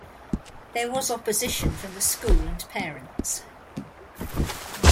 There was opposition from the school and parents.